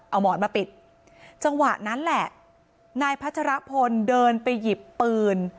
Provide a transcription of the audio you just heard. เอาหมอนมาปิดจังหวะนั้นแหละนายพัชรพลเดินไปหยิบปืน